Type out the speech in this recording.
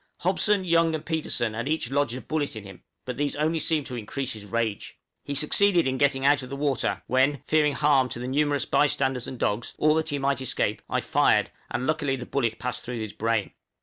Hobson, Young, and Petersen had each lodged a bullet in him; but these only seemed to increase his rage. He succeeded in getting out of the water, when, fearing harm to the numerous by standers and dogs, or that he might escape, I fired, and luckily the bullet passed through his brain.